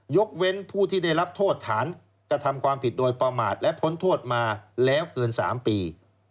ยกเว้นผู้ที่ได้รับโทษฐานกระทำความผิดโดยประมาทและพ้นโทษมาแล้วเกิน๓ปี